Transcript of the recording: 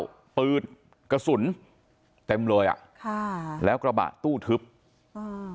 เอาปืนกระสุนเต็มเลยอ่ะค่ะแล้วกระบะตู้ทึบอืม